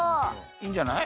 いいんじゃない？